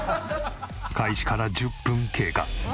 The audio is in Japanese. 開始から１０分経過。